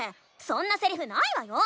そんなセリフないわよ！